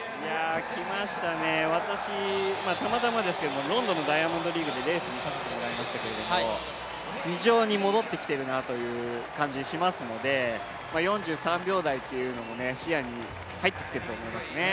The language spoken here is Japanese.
来ましたね、私、たまたまですけどロンドンのダイヤモンドリーグにレースで非常に戻ってきてるなという感じしますので、４３秒台も視野に入ってきてると思いますね。